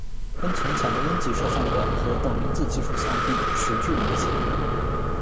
跟从前的阴极射线管和等离子技术相比迟滞明显。